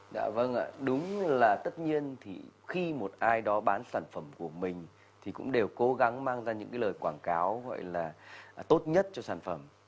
dạ vâng ạ đúng là tất nhiên thì khi một ai đó bán sản phẩm của mình thì cũng đều cố gắng mang ra những cái lời quảng cáo gọi là tốt nhất cho sản phẩm